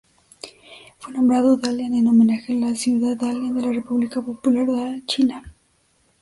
Fue nombrado Dalian en homenaje a la ciudad Dalian de la República Popular China.